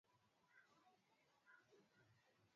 viazi lishe hurekebisha mfumo wa uzazi